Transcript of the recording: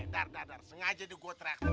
dar dar dar sengaja di gua trak trakan